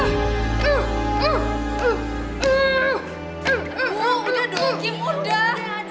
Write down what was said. remind lagi kenangan apa yang paling berkesan buat lo sama gracio sama ini